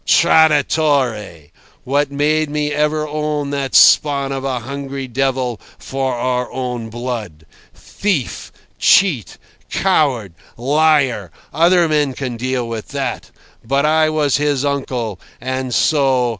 Traditore! What made me ever own that spawn of a hungry devil for our own blood! Thief, cheat, coward, liar—other men can deal with that. But I was his uncle, and so